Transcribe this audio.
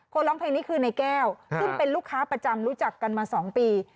ร้องเพลงนี้คือในแก้วซึ่งเป็นลูกค้าประจำรู้จักกันมา๒ปี